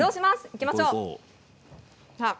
行きましょう。